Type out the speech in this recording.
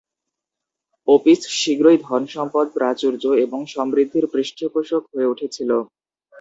ওপিস শীঘ্রই ধনসম্পদ, প্রাচুর্য এবং সমৃদ্ধির পৃষ্ঠপোষক হয়ে উঠেছিল।